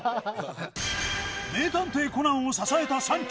名探偵コナンを支えた３曲。